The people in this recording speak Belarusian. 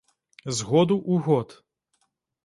З году ў год.